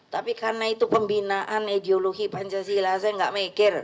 tapi karena itu pembinaan ideologi pancasila saya nggak mikir